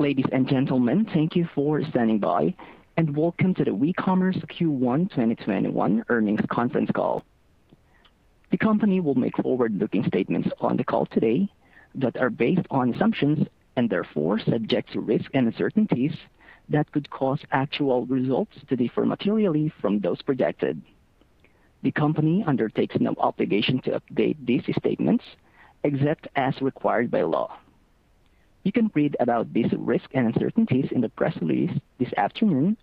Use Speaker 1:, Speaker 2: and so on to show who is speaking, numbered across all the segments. Speaker 1: Ladies and gentlemen, thank you for standing by, and welcome to the WeCommerce Q1 2021 earnings conference call. The company will make forward-looking statements on the call today that are based on assumptions, and therefore subject to risk and uncertainties that could cause actual results to differ materially from those projected. The company undertakes no obligation to update these statements, except as required by law. You can read about these risks and uncertainties in the press release this afternoon,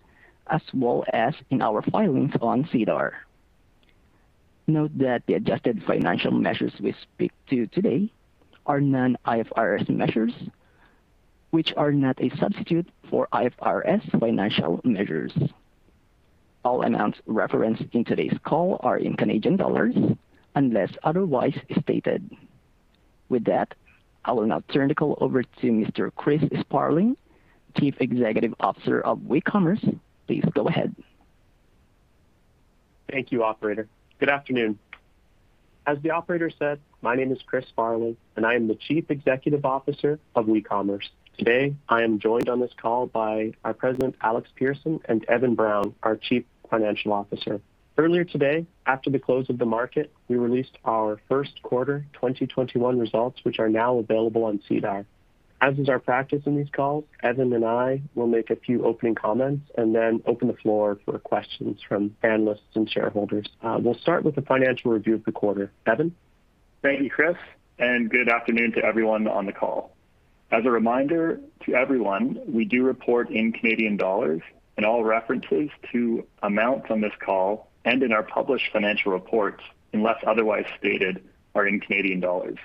Speaker 1: as well as in our filings on SEDAR. Note that the adjusted financial measures we speak to today are non-IFRS measures, which are not a substitute for IFRS financial measures. All amounts referenced in today's call are in Canadian dollars, unless otherwise stated. With that, I will now turn the call over to Mr. Chris Sparling, Chief Executive Officer of WeCommerce. Please go ahead.
Speaker 2: Thank you, operator. Good afternoon. As the operator said, my name is Chris Sparling, and I am the Chief Executive Officer of WeCommerce. Today, I am joined on this call by our President, Alex Persson, and Evan Brown, our Chief Financial Officer. Earlier today, after the close of the market, we released our first quarter 2021 results, which are now available on SEDAR. As is our practice in these calls, Evan and I will make a few opening comments and then open the floor for questions from analysts and shareholders. We'll start with the financial review of the quarter. Evan?
Speaker 3: Thank you, Chris, and good afternoon to everyone on the call. As a reminder to everyone, we do report in Canadian dollars, and all references to amounts on this call and in our published financial reports, unless otherwise stated, are in Canadian dollars.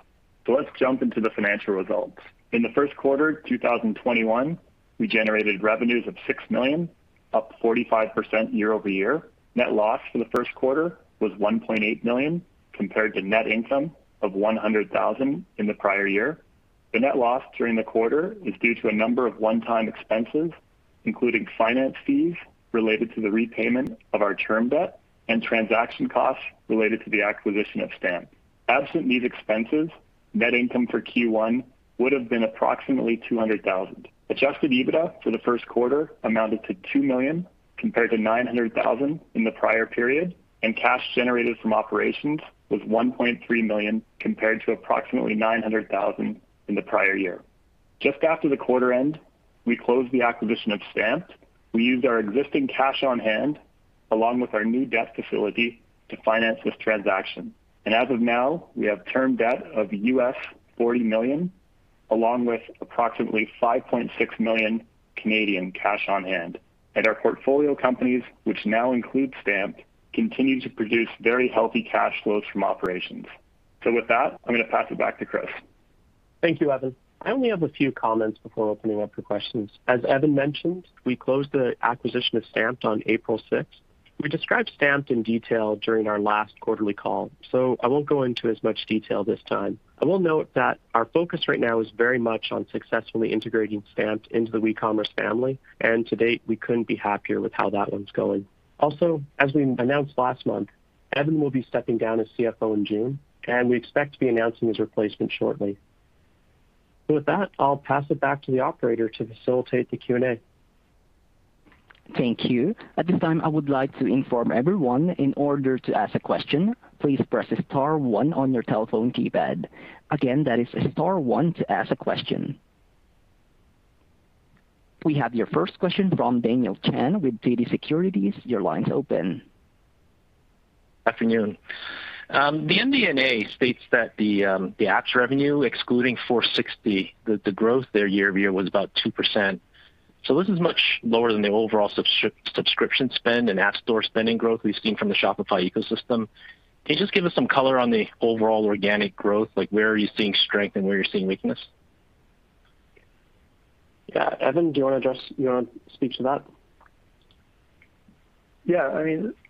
Speaker 3: Let's jump into the financial results. In the first quarter of 2021, we generated revenues of 6 million, up 45% year-over-year. Net loss for the first quarter was 1.8 million, compared to net income of 100,000 in the prior year. The net loss during the quarter is due to a number of one-time expenses, including finance fees related to the repayment of our term debt and transaction costs related to the acquisition of Stamped. Absent these expenses, net income for Q1 would've been approximately 200,000. Adjusted EBITDA for the first quarter amounted to 2 million, compared to 900,000 in the prior period. Cash generated from operations was 1.3 million compared to approximately 900,000 in the prior year. Just after the quarter end, we closed the acquisition of Stamped. We used our existing cash on hand, along with our new debt facility to finance this transaction. As of now, we have term debt of $40 million, along with approximately 5.6 million cash on hand. Our portfolio companies, which now include Stamped, continue to produce very healthy cash flows from operations. With that, I'm going to pass it back to Chris.
Speaker 2: Thank you, Evan. I only have a few comments before opening up for questions. As Evan mentioned, we closed the acquisition of Stamped on April 6th. We described Stamped in detail during our last quarterly call, so I won't go into as much detail this time. I will note that our focus right now is very much on successfully integrating Stamped into the WeCommerce family, and to date, we couldn't be happier with how that one's going. Also, as we announced last month, Evan will be stepping down as CFO in June, and we expect to be announcing his replacement shortly. With that, I'll pass it back to the operator to facilitate the Q&A.
Speaker 1: Thank you. We have your first question from Daniel Chan with TD Securities.
Speaker 4: Afternoon. The MD&A states that the apps revenue, excluding Foursixty, the growth there year-over-year was about 2%. This is much lower than the overall subscription spend and app store spending growth we've seen from the Shopify ecosystem. Can you just give us some color on the overall organic growth? Where are you seeing strength and where are you seeing weakness?
Speaker 2: Yeah. Evan, do you want to speak to that?
Speaker 3: Yeah.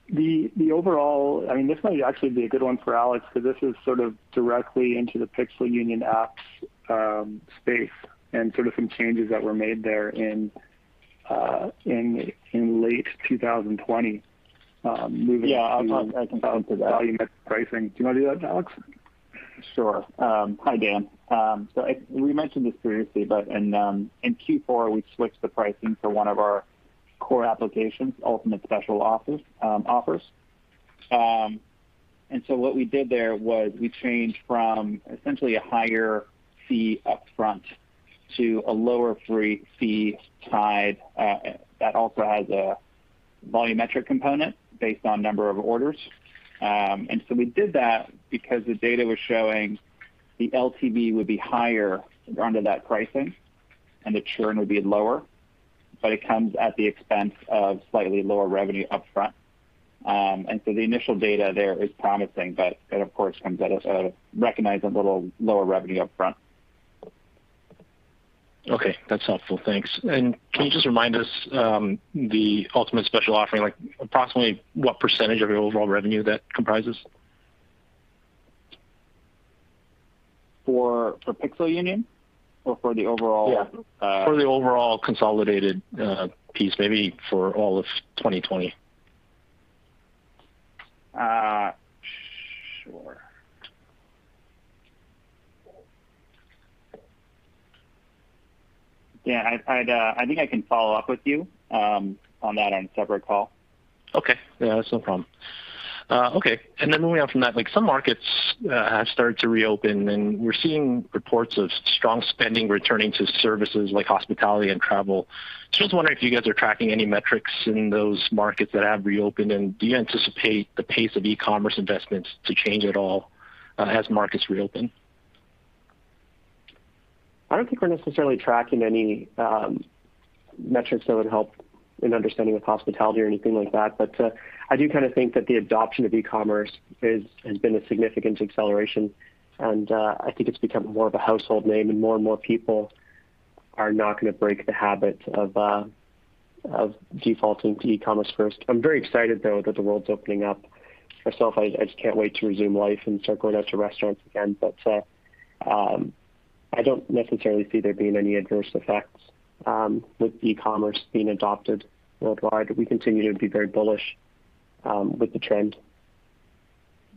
Speaker 3: This might actually be a good one for Alex, because this is sort of directly into the Pixel Union apps space, and some changes that were made there in late 2020 moving to pricing.
Speaker 5: Yeah, I can talk to that.
Speaker 3: Do you want to do that, Alex?
Speaker 5: Sure. Hi, Dan. We mentioned this previously, but in Q4, we switched the pricing for one of our core applications, Ultimate Special Offers. What we did there was we changed from essentially a higher fee up front to a lower fee tied that also has a volumetric component based on number of orders. We did that because the data was showing the LTV would be higher under that pricing and the churn would be lower, but it comes at the expense of slightly lower revenue up front. The initial data there is promising, but it of course comes at a recognized little lower revenue up front.
Speaker 4: Okay, that's helpful. Thanks. Can you just remind us, the Ultimate Special Offers, approximately what % of your overall revenue that comprises?
Speaker 5: For Pixel Union or for the overall-
Speaker 4: Yeah. For the overall consolidated piece, maybe for all of 2020.
Speaker 5: Yeah. I think I can follow up with you on that on a separate call.
Speaker 4: Okay. Yeah, that's no problem. Okay. Then moving on from that, some markets have started to reopen, and we're seeing reports of strong spending returning to services like hospitality and travel. Just wondering if you guys are tracking any metrics in those markets that have reopened, and do you anticipate the pace of WeCommerce investments to change at all as markets reopen?
Speaker 2: I don't think we're necessarily tracking any metrics that would help in understanding the hospitality or anything like that. I do think that the adoption of eCommerce has been a significant acceleration, and I think it's become more of a household name, and more and more people are now going to break the habit of defaulting to eCommerce first. I'm very excited, though, that the world's opening up. Myself, I just can't wait to resume life and start going out to restaurants again. I don't necessarily see there being any adverse effects with eCommerce being adopted worldwide. We continue to be very bullish with the trend.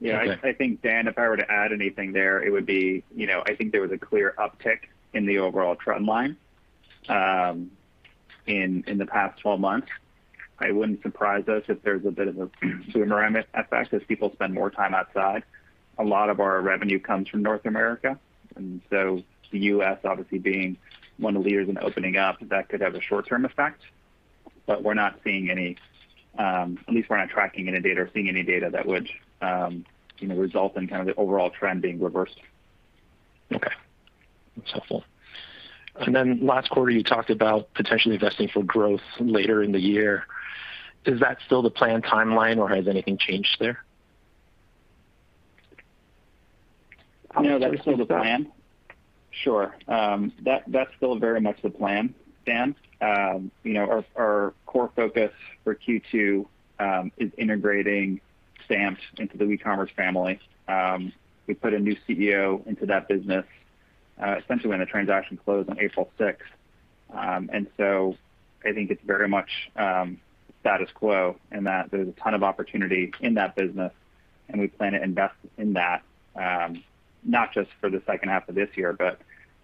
Speaker 4: Yeah.
Speaker 5: I think, Dan, if I were to add anything there, it would be I think there was a clear uptick in the overall trend line in the past 12 months. It wouldn't surprise us if there's a bit of a boomerang effect as people spend more time outside. A lot of our revenue comes from North America. The U.S. obviously being one of the leaders in opening up, that could have a short-term effect. At least we're not tracking any data or seeing any data that would result in the overall trend being reversed.
Speaker 4: Okay. That's helpful. Last quarter, you talked about potentially investing for growth later in the year. Is that still the plan timeline, or has anything changed there?
Speaker 5: No, that's still the plan. Sure. That's still very much the plan. Stamped. Our core focus for Q2 is integrating Stamped into the WeCommerce family. We put a new CEO into that business, essentially when the transaction closed on April 6th. I think it's very much status quo in that there's a ton of opportunity in that business, and we plan to invest in that, not just for the second half of this year.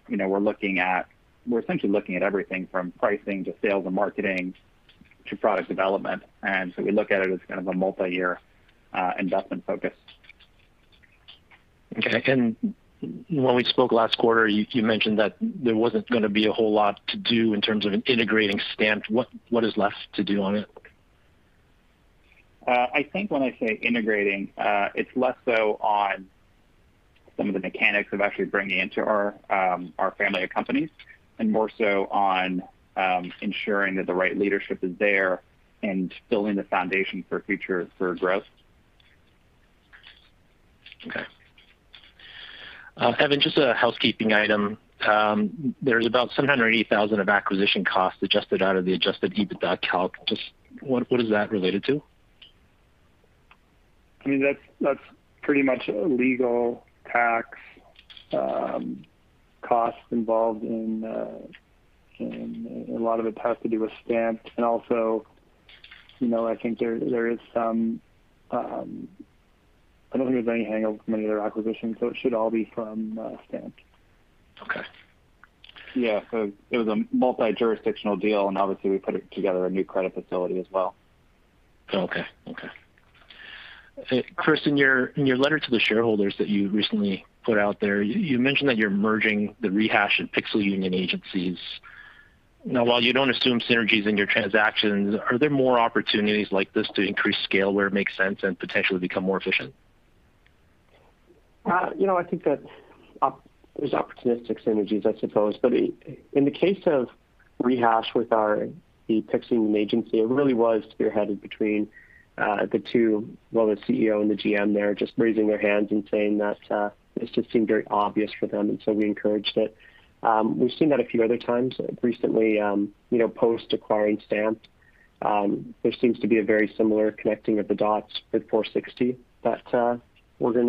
Speaker 5: We're essentially looking at everything from pricing to sales and marketing to product development, we look at it as a multi-year investment focus.
Speaker 4: Okay. When we spoke last quarter, you mentioned that there wasn't going to be a whole lot to do in terms of integrating Stamped. What is left to do on it?
Speaker 5: I think when I say integrating, it's less so on some of the mechanics of actually bringing into our family of companies, and more so on ensuring that the right leadership is there and building the foundation for growth.
Speaker 4: Okay. Evan, just a housekeeping item. There's about 780,000 of acquisition costs adjusted out of the adjusted EBITDA calc. Just what is that related to?
Speaker 3: That's pretty much legal, tax costs involved in a lot of it has to do with Stamped. Also, I don't think there's anything else from the other acquisitions, so it should all be from Stamped.
Speaker 4: Okay.
Speaker 5: Yeah. It was a multi-jurisdictional deal, and obviously we put together a new credit facility as well.
Speaker 4: Okay. Okay. Chris Sparling, in your letter to the shareholders that you recently put out there, you mentioned that you're merging the Rehash and Pixel Union agencies. While you don't assume synergies in your transactions, are there more opportunities like this to increase scale where it makes sense and potentially become more efficient?
Speaker 2: I think there's opportunistic synergies, I suppose. In the case of Rehash with the Pixel Union agency, it really was spearheaded between the two. One was CEO and the GM there just raising their hands and saying that this just seemed very obvious for them, we encouraged it. We've seen that a few other times recently. Post acquiring Stamped, there seems to be a very similar connecting of the dots with Foursixty that we're going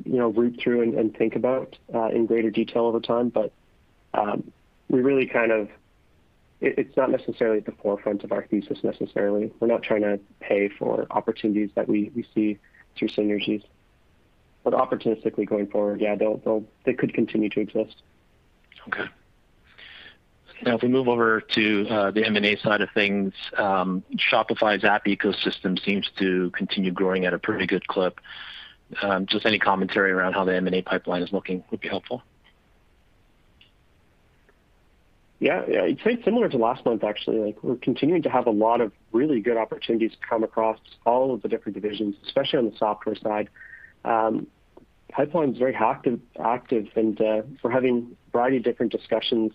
Speaker 2: to read through and think about in greater detail over time. It's not necessarily at the forefront of our thesis necessarily. We're not trying to pay for opportunities that we see through synergies. Opportunistically going forward, yeah, they could continue to exist.
Speaker 4: Okay. If we move over to the M&A side of things, Shopify's app ecosystem seems to continue growing at a pretty good clip. Just any commentary around how the M&A pipeline is looking would be helpful.
Speaker 2: Yeah. I'd say similar to last month, actually. We're continuing to have a lot of really good opportunities come across all of the different divisions, especially on the software side. Pipeline's very active, and we're having a variety of different discussions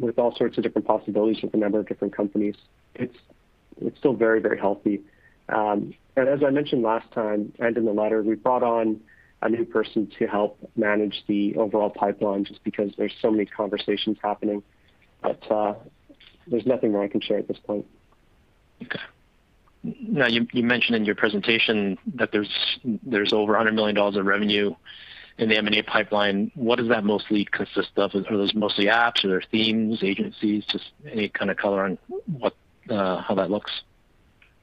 Speaker 2: with all sorts of different possibilities with a number of different companies. It's still very, very healthy. As I mentioned last time in the letter, we brought on a new person to help manage the overall pipeline just because there's so many conversations happening. There's nothing more I can share at this point.
Speaker 4: Okay. You mentioned in your presentation that there's over 100 million dollars of revenue in the M&A pipeline. What does that mostly consist of? Are those mostly apps or themes, agencies? Just any kind of color on how that looks.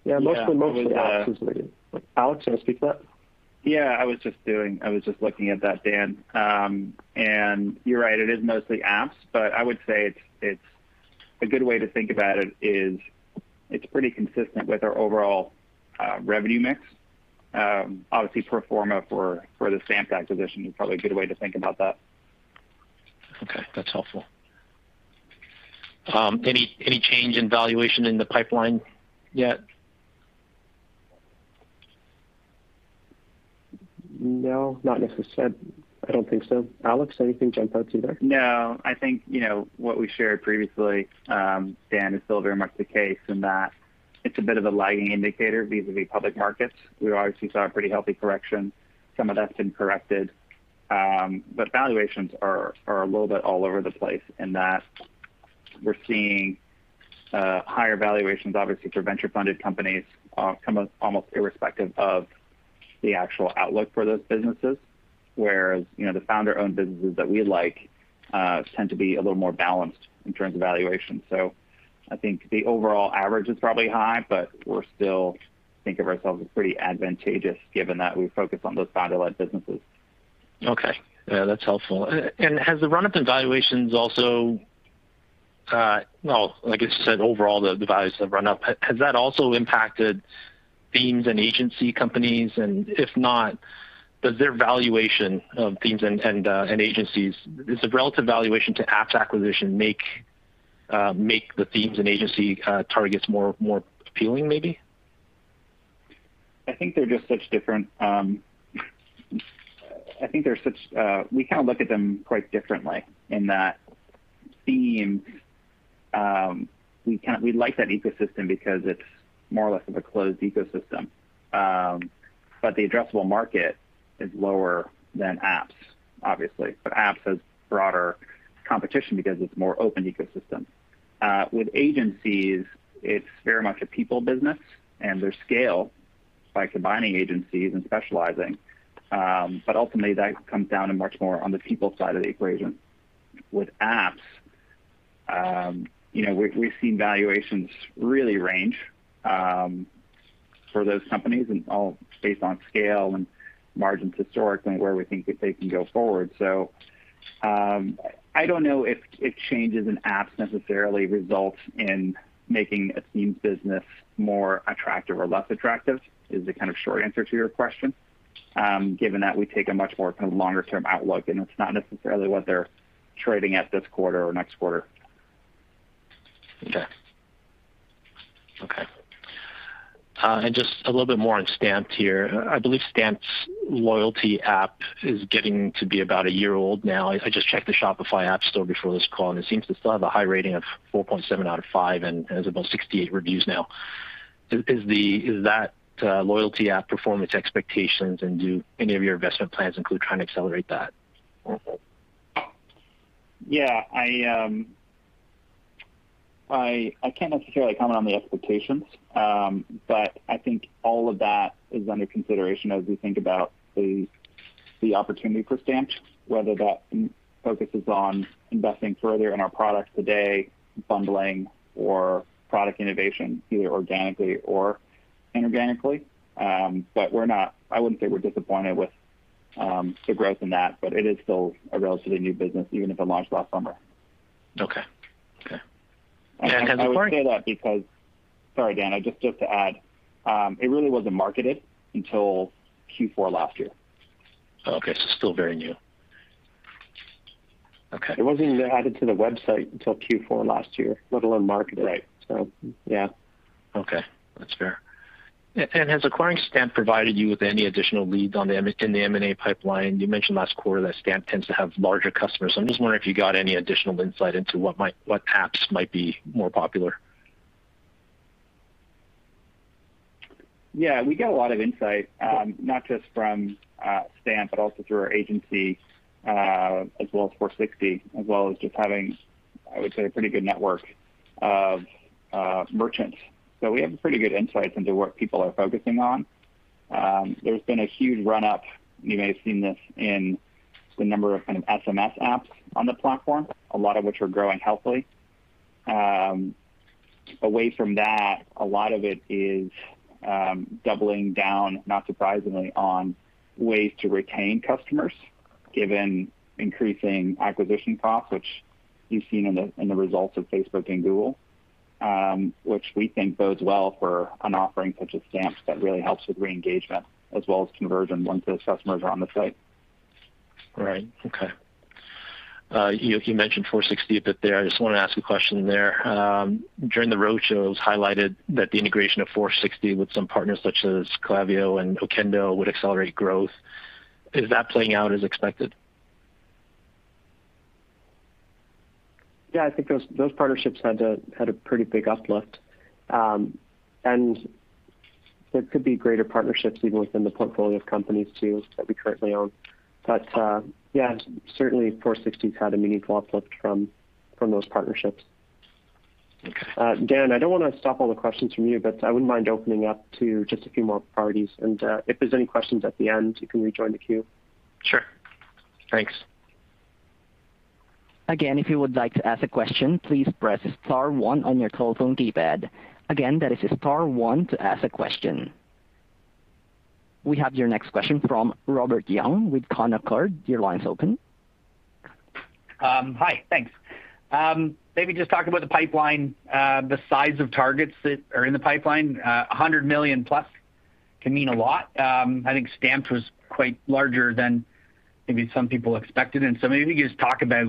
Speaker 3: Yeah, mostly apps is what it is. Alex, do you want to speak to that?
Speaker 5: Yeah, I was just looking at that, Dan. You're right, it is mostly apps, but I would say a good way to think about it is it's pretty consistent with our overall revenue mix. Obviously, pro forma for the Stamped acquisition is probably a good way to think about that.
Speaker 4: Okay, that's helpful. Any change in valuation in the pipeline yet?
Speaker 3: No, not necessarily. I don't think so. Alex, anything jump out to you there?
Speaker 5: No, I think what we shared previously, Dan, is still very much the case in that it's a bit of a lagging indicator vis-a-vis public markets. We obviously saw a pretty healthy correction. Some of that's been corrected. Valuations are a little bit all over the place in that we're seeing higher valuations, obviously, for venture-funded companies almost irrespective of the actual outlook for those businesses. The founder-owned businesses that we like tend to be a little more balanced in terms of valuation. I think the overall average is probably high, but we still think of ourselves as pretty advantageous given that we focus on those founder-led businesses.
Speaker 4: Okay. Yeah, that's helpful. Well, like you said, overall, the values have run up. Has the run-up in valuations also impacted themes in agency companies? If not, does their valuation of themes and agencies, does the relative valuation to apps acquisition make the themes and agency targets more appealing maybe?
Speaker 5: I think we look at them quite differently in that themes, we like that ecosystem because it's more or less of a closed ecosystem. The addressable market is lower than apps, obviously. Apps has broader competition because it's a more open ecosystem. With agencies, it's very much a people business, and they scale by combining agencies and specializing. Ultimately, that comes down much more on the people side of the equation. With apps, we've seen valuations really range for those companies, and all based on scale and margins historically and where we think that they can go forward. I don't know if changes in apps necessarily results in making a themes business more attractive or less attractive, is the short answer to your question. Given that we take a much more longer-term outlook, and it's not necessarily what they're trading at this quarter or next quarter.
Speaker 4: Okay. Just a little bit more on Stamped here. I believe Stamped's loyalty app is getting to be about a year old now. I just checked the Shopify App Store before this call, and it seems to still have a high rating of 4.7 out of 5 and has about 68 reviews now. Is that loyalty app performing to expectations, and do any of your investment plans include trying to accelerate that?
Speaker 5: Yeah. I can't necessarily comment on the applications. I think all of that is under consideration as we think about the opportunity for Stamped, whether that focuses on investing further in our products today, bundling or product innovation, either organically or inorganically. I wouldn't say we're disappointed with the growth in that, but it is still a relatively new business, even if it launched last summer.
Speaker 4: Okay.
Speaker 5: I say that. Sorry, Daniel, just to add. It really wasn't marketed until Q4 last year.
Speaker 4: Okay. Still very new. Okay.
Speaker 3: It wasn't even added to the website until Q4 last year, let alone marketed out. Yeah.
Speaker 4: Okay. That's fair. Has acquiring Stamped provided you with any additional leads in the M&A pipeline? You mentioned last quarter that Stamped tends to have larger customers. I'm just wondering if you got any additional insight into what apps might be more popular.
Speaker 5: Yeah. We get a lot of insight, not just from Stamped, but also through our agency as well as Foursixty, as well as just having, I would say, a pretty good network of merchants. So we have pretty good insights into what people are focusing on. There's been a huge run-up. You may have seen this in the number of SMS apps on the platform. A lot of which are growing healthily. Away from that, a lot of it is doubling down, not surprisingly, on ways to retain customers, given increasing acquisition costs, which you've seen in the results of Facebook and Google. Which we think bodes well for an offering such as Stamped that really helps with re-engagement as well as conversion once those customers are on the site.
Speaker 4: Right. Okay. You mentioned Foursixty a bit there. I just want to ask a question there. During the roadshow, it was highlighted that the integration of Foursixty with some partners such as Klaviyo and Okendo would accelerate growth. Is that playing out as expected?
Speaker 2: Yeah. I think those partnerships had a pretty big uplift. There could be greater partnerships even within the portfolio of companies too, that we currently own. Yeah, certainly Foursixty had a meaningful uplift from those partnerships.
Speaker 4: Okay.
Speaker 2: Dan, I don't want to stop all the questions from you, but I wouldn't mind opening up to just a few more parties. If there's any questions at the end, you can rejoin the queue.
Speaker 4: Sure. Thanks.
Speaker 1: Again, if you would like to ask a question, please press star one on your telephone keypad. Again, that is just star one to ask a question. We have your next question from Robert Young with Canaccord Genuity. Your line's open.
Speaker 6: Hi, thanks. Maybe just talk about the pipeline, the size of targets that are in the pipeline. 100 million+ can mean a lot. I think Stamped was quite larger than maybe some people expected. Maybe just talk about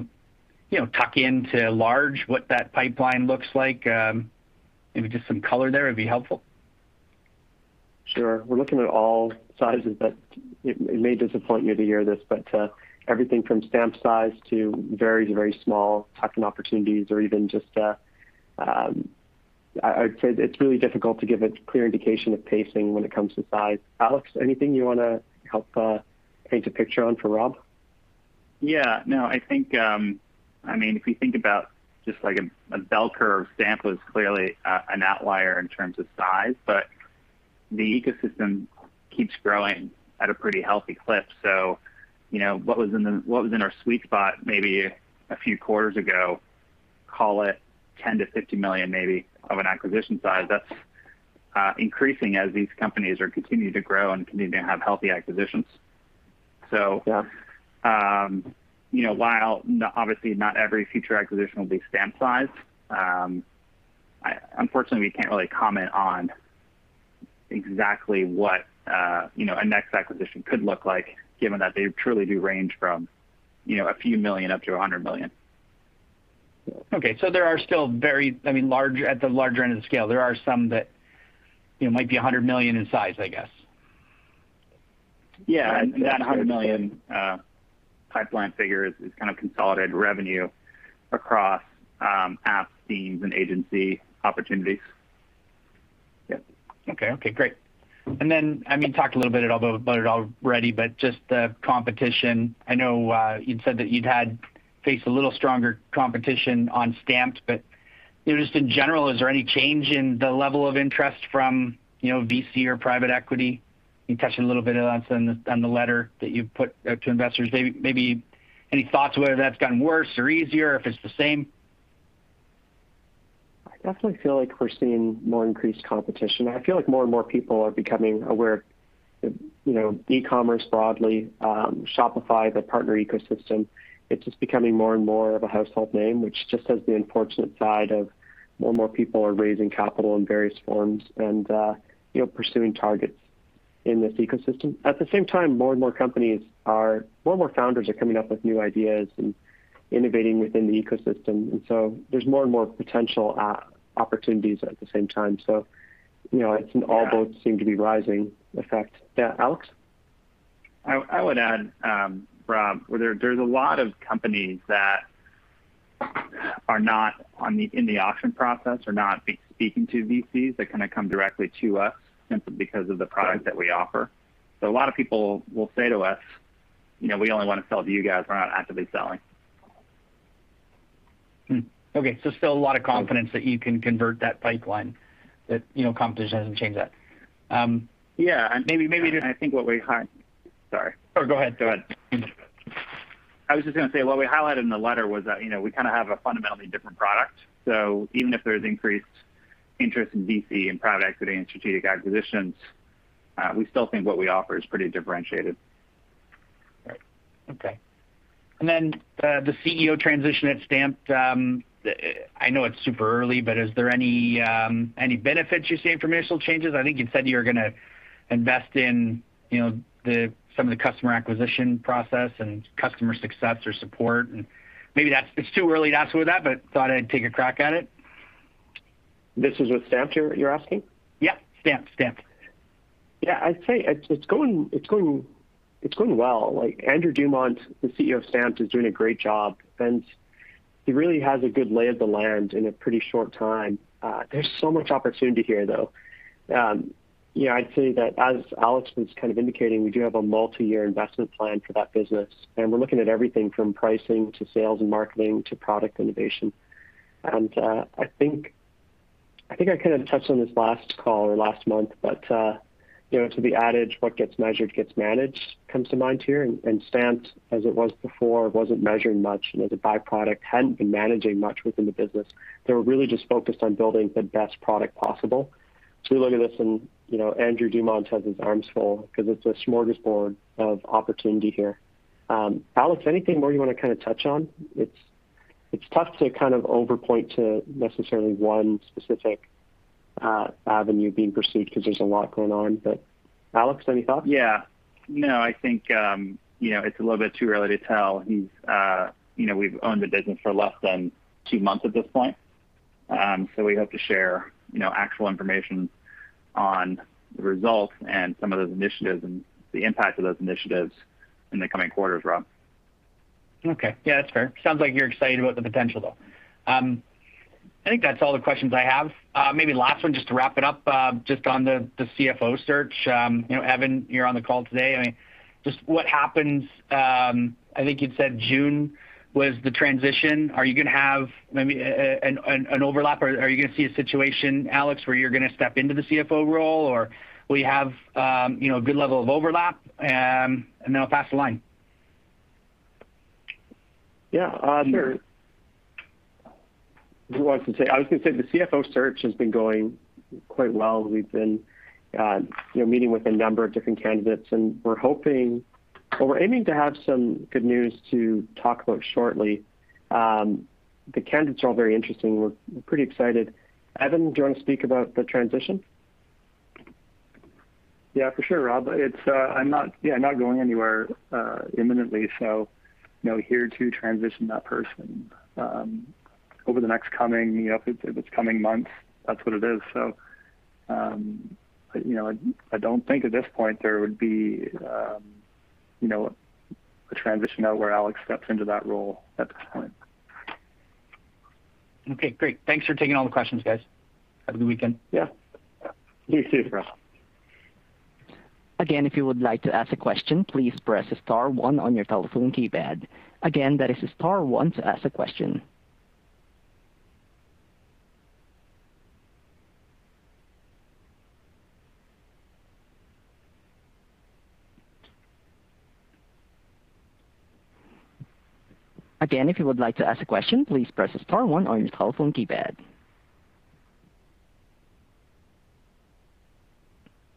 Speaker 6: tuck-in to large, what that pipeline looks like. Maybe just some color there would be helpful.
Speaker 2: Sure. We're looking at all sizes, but it may disappoint you to hear this, but everything from Stamped size to very small tuck-in opportunities or even just I'd say that it's really difficult to give a clear indication of pacing when it comes to size. Alex, anything you want to help paint a picture on for Rob?
Speaker 5: Yeah. No, I think, if you think about just like a bell curve, Stamped was clearly an outlier in terms of size, but the ecosystem keeps growing at a pretty healthy clip. What was in our sweet spot maybe a few quarters ago, call it 10 million-50 million maybe of an acquisition size, that's increasing as these companies are continuing to grow and continuing to have healthy acquisitions.
Speaker 6: Yeah.
Speaker 5: While obviously not every future acquisition will be Stamped size. Unfortunately, we can't really comment on exactly what a next acquisition could look like, given that they truly do range from a few million up to 100 million.
Speaker 6: Okay. There are still very, at the larger end of the scale, there are some that might be 100 million in size, I guess.
Speaker 5: Yeah. The 100 million pipeline figure is kind of consolidated revenue across apps, fees, and agency opportunities.
Speaker 6: Yep. Okay, great. We talked a little bit about it already, but just the competition. I know you'd said that you'd faced a little stronger competition on Stamped. Just in general, is there any change in the level of interest from VC or private equity? You touched a little bit on this in the letter that you put to investors. Maybe any thoughts whether that's gotten worse or easier or if it's the same?
Speaker 2: I definitely feel like we're seeing more increased competition. I feel like more and more people are becoming aware of eCommerce broadly. Shopify, the partner ecosystem, it's just becoming more and more of a household name, which just has the unfortunate side of more and more people are raising capital in various forms and pursuing targets in this ecosystem. At the same time, more and more founders are coming up with new ideas and innovating within the ecosystem. There's more and more potential opportunities at the same time. It can all both seem to be rising effect. Yeah, Alex?
Speaker 5: I would add, Rob, there's a lot of companies that are not in the auction process, are not speaking to VCs. They're going to come directly to us simply because of the product that we offer. A lot of people will say to us, "We only want to sell to you guys. We're not actively selling.
Speaker 6: Okay. Still a lot of confidence that you can convert that pipeline, that competition doesn't change that.
Speaker 5: Yeah. Sorry. Oh, go ahead. I was just going to say, what we highlighted in the letter was that we have a fundamentally different product. Even if there's increased interest in VC and product and strategic acquisitions, we still think what we offer is pretty differentiated.
Speaker 6: Right. Okay. Then the CEO transition at Stamped. I know it's super early, but are there any benefits you see from your changes? I think you said you're going to invest in some of the customer acquisition process and customer success or support. Maybe it's too early to ask about that, but thought I'd take a crack at it.
Speaker 2: This is with Stamped you're asking?
Speaker 6: Yeah. Stamped.
Speaker 2: Yeah. I'd say it's going well. Andrew Dumont, the CEO of Stamped, is doing a great job. He really has a good lay of the land in a pretty short time. There's so much opportunity here, though. I'd say that as Alex was kind of indicating, we do have a multi-year investment plan for that business, and we're looking at everything from pricing to sales and marketing to product innovation. I think I kind of touched on this last call or last month, but to the adage, "What gets measured gets managed" comes to mind here. Stamped, as it was before, wasn't measuring much. As a by-product, hadn't been managing much within the business. They were really just focused on building the best product possible. We look at this and Andrew Dumont has his arms full because it's a smorgasbord of opportunity here. Alex, anything more you want to touch on? It's tough to over-point to necessarily one specific avenue being pursued because there's a lot going on. Alex, any thoughts?
Speaker 5: Yeah. No, I think it's a little bit too early to tell. We've owned the business for less than two months at this point. We hope to share actual information on the results and some of those initiatives and the impact of those initiatives in the coming quarters, Rob.
Speaker 6: Okay. Yeah, that's fair. Sounds like you're excited about the potential, though. I think that's all the questions I have. Maybe last one just to wrap it up, just on the CFO search. Evan, you're on the call today. What happens, I think you said June was the transition. Are you going to have maybe an overlap or are you going to see a situation, Alex, where you're going to step into the CFO role or will you have a good level of overlap? I'll pass the line.
Speaker 2: Yeah. I was going to say the CFO search has been going quite well. We've been meeting with a number of different candidates, and we're aiming to have some good news to talk about shortly. The candidates are all very interesting. We're pretty excited. Evan, do you want to speak about the transition?
Speaker 3: Yeah, for sure, Rob. I'm not going anywhere imminently, so here to transition that person over the next coming months. That's what it is. I don't think at this point there would be a transition where Alex steps into that role at this point.
Speaker 6: Okay, great. Thanks for taking all the questions, guys. Have a good weekend.
Speaker 3: Yeah. You too, Rob.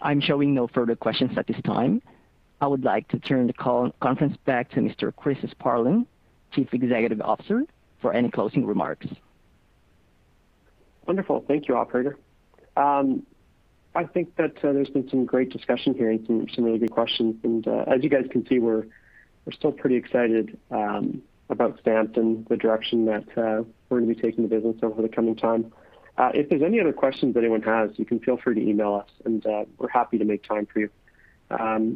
Speaker 1: I'm showing no further questions at this time. I would like to turn the conference back to Mr. Chris Sparling, Chief Executive Officer, for any closing remarks.
Speaker 2: Wonderful. Thank you, operator. I think that there's been some great discussion here and some really good questions. As you guys can see, we're still pretty excited about Stamped and the direction that we're going to be taking business over the coming time. If there's any other questions anyone has, you can feel free to email us, and we're happy to make time for you.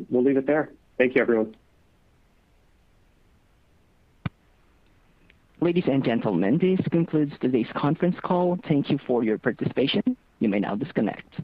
Speaker 2: We'll leave it there. Thank you, everyone.
Speaker 1: Ladies and gentlemen, this concludes today's conference call. Thank you for your participation. You may now disconnect.